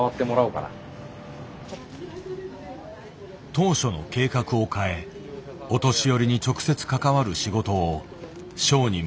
当初の計画を変えお年寄りに直接関わる仕事をショウに任せることにした。